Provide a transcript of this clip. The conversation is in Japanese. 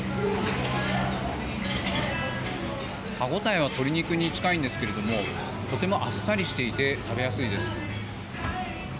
歯応えは鶏肉に近いんですけれどもとてもあっさりしていて食べやすいです。